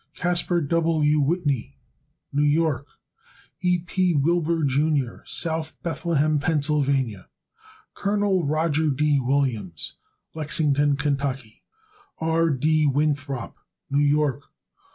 Caspar W. Whitney, New York. E. P. Wilbur, Jr., South Bethlehem, Pa. Col. Roger D. Williams, Lexington, Ky. R. D. Winthrop, New York.